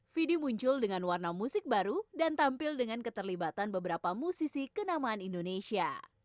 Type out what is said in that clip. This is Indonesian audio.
video muncul dengan warna musik baru dan tampil dengan keterlibatan beberapa musisi kenamaan indonesia